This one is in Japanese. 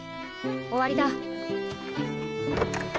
終わりだ。